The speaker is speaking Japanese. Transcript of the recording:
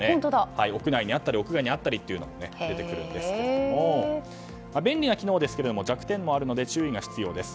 屋内にあったり屋外にあったりというのが出てくるんですが便利な機能ですが弱点もあるので注意が必要です。